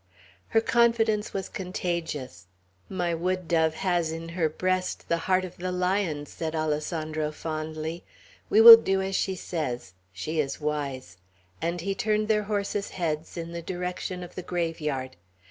Her confidence was contagious. "My wood dove has in her breast the heart of the lion," said Alessandro, fondly. "We will do as she says. She is wise;" and he turned their horses' heads in the direction of the graveyard.